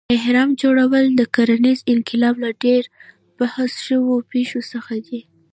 اهرام جوړول د کرنیز انقلاب له ډېر بحث شوو پېښو څخه دی.